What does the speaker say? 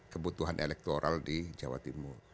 kebutuhan elektoral di jawa timur